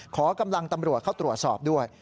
ขอกำลังตำรวจเข้าตรวจสอบด้วย